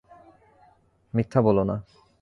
মিথ্যা বলো না।